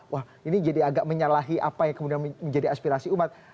wah ini jadi agak menyalahi apa yang kemudian menjadi aspirasi umat